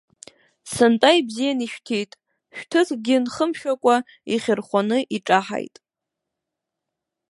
Сынтәа ибзианы ишәҭит, шәҭыцкгьы нхымшәакәа ихьырхәаны иҿаҳаит.